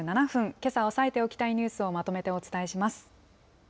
けさ押さえておきたいニュースをまとめてお伝えします。